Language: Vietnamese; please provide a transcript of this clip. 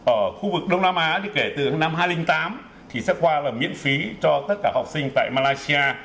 ở khu vực đông nam á thì kể từ năm hai nghìn tám thì sách khoa và miễn phí cho tất cả học sinh tại malaysia